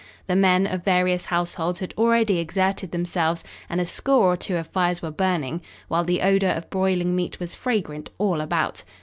The men of various households had already exerted themselves and a score or two of fires were burning, while the odor of broiling meat was fragrant all about.